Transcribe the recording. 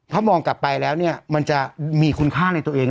ถ้ามองกลับไปแล้วเนี่ยมันจะมีคุณค่าในตัวเอง